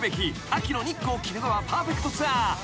秋の日光・鬼怒川パーフェクトツアー］